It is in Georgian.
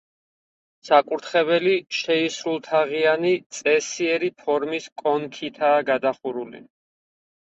საკურთხეველი შეისრულთაღიანი, წესიერი ფორმის კონქითაა გადახურული.